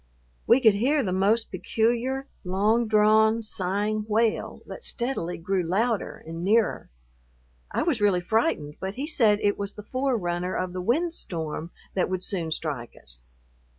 We could hear the most peculiar, long drawn, sighing wail that steadily grew louder and nearer. I was really frightened, but he said it was the forerunner of the windstorm that would soon strike us.